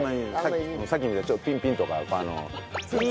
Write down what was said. さっきみたいにちょっとピンピンとか。